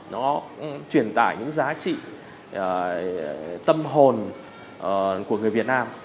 nó truyền tải những giá trị tâm hồn của người việt nam